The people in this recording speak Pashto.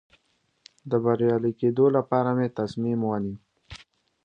د بریالي کېدو لپاره مې تصمیم ونیو.